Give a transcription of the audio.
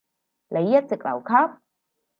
你一直留級？